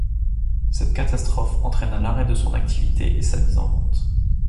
Cette catastrophe entraîna l'arrêt de son activité et sa mise en vente.